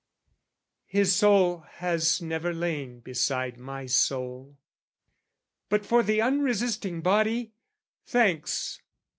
His soul has never lain beside my soul; But for the unresisting body, thanks!